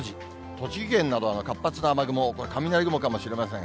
栃木県などは活発な雨雲、これ、雷雲かもしれません。